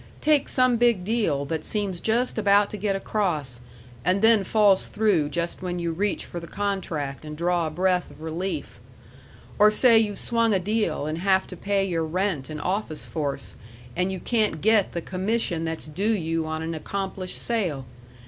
Take some big deal that seems just about to get across and then falls through just when you reach for the contract and draw a breath of relief. Or say you've swung a deal and have to pay your rent and office force, and you can't get the commission that's due you on an accomplished sale.